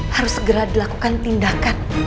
harus segera dilakukan tindakan